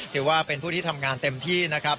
ถือว่าเป็นผู้ที่ทำงานเต็มที่นะครับ